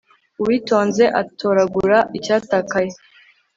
uwitonze atoragura icyatakaye